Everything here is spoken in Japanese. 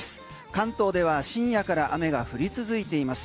関東では深夜から雨が降り続いています。